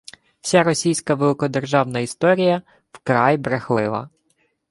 вся російська великодержавна історія – вкрай брехлива